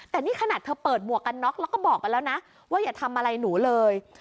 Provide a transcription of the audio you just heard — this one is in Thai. แต่นี่ขนาดเธอเปิดหมวกกันน็อกแล้วก็บอกไปแล้วนะว่าอย่าทำอะไรหนูเลย